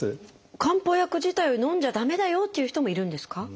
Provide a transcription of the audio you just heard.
漢方薬自体をのんじゃ駄目だよという人もいるんですか？